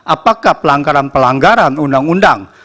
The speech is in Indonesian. apakah pelanggaran pelanggaran undang undang